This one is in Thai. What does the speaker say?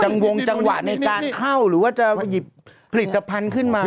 วงจังหวะในการเข้าหรือว่าจะหยิบผลิตภัณฑ์ขึ้นมา